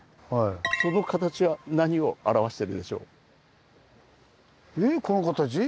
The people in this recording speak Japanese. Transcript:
その形は何を表してるでしょう？